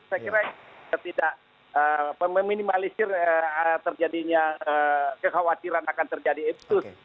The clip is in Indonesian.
saya kira tidak meminimalisir terjadinya kekhawatiran akan terjadi itu